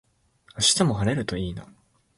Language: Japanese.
明日も晴れるといいな